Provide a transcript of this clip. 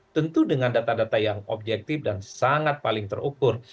tentu dengan data data yang objektif dan sangat paling terukur